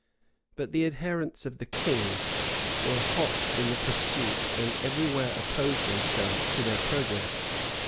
But the adherents of the king were hot in the pursuit, and every where opposed themselves to their progress.